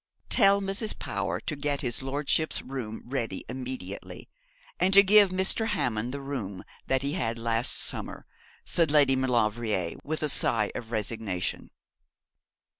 'Tell Mrs. Power to get his lordship's room ready immediately, and to give Mr. Hammond the room he had last summer,' said Lady Maulevrier, with a sigh of resignation.